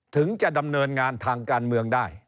ถึงจะดำเนินงานทางการเมืองได้